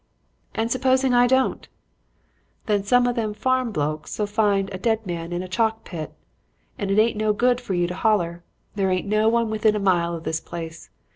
"'And supposing I don't?' "'Then some o' them farm blokes 'ill find a dead man in a chalk pit. And it ain't no good for you to holler. There ain't no one within a mile of this place.